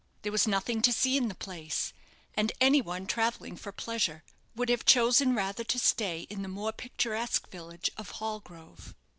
There was nothing to see in the place; and any one travelling for pleasure would have chosen rather to stay in the more picturesque village of Hallgrove.